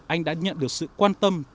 anh đã nhận được sự quan tâm